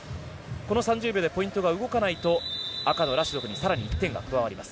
この３０秒でポイントが動かないと赤のラシドフに更に１点が加わります。